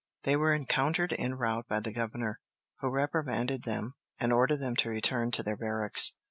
They were encountered en route by the governor, who reprimanded them, and ordered them to return to their barracks.